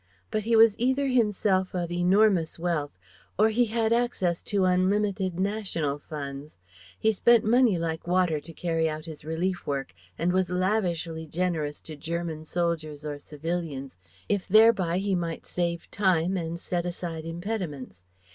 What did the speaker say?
But he was either himself of enormous wealth or he had access to unlimited national funds. He spent money like water to carry out his relief work and was lavishly generous to German soldiers or civilians if thereby he might save time and set aside impediments.